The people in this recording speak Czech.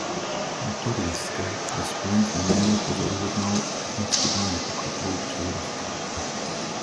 Motor Jeska je spojen s neméně pozoruhodnou a technicky velmi pokrokovou převodovkou.